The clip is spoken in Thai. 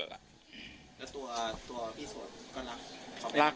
แล้วตัวพี่ส่วนก็รัก